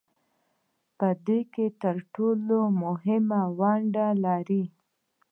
په دې کې تر ټولو مهمه ونډه لري